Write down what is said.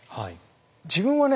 自分はね